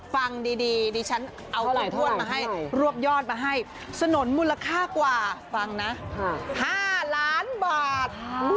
ฟังดีดิฉันเอาลงโทษมาให้รวบยอดมาให้สนุนมูลค่ากว่าฟังนะ๕ล้านบาท